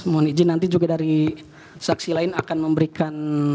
mohon izin nanti juga dari saksi lain akan memberikan